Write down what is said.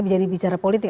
saya jadi bicara politik